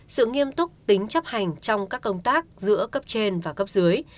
sự nghiêm túc tính chấp hành trong các công tác giữa cấp trên và cấp dưới